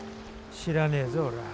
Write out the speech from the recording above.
知らねえぞ俺は。